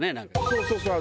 そうそうそう！